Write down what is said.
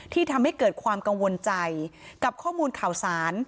ทำให้เกิดความกังวลใจกับข้อมูลข่าวสาร